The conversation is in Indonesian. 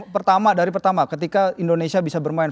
pertama dari pertama ketika indonesia bisa bermain